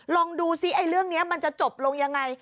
ลองดูซิไอ้เรื่องนี้มันจะจบลงยังไง